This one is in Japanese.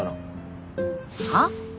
はっ？